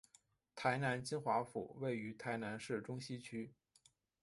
台南金华府位于台南市中西区。